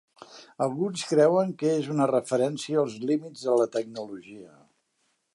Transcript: Alguns creuen que és una referència als límits de la tecnologia.